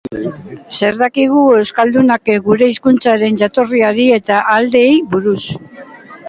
Zer dakigu euskaldunok gure hizkuntzaren jatorriari eta ahaideei buruz?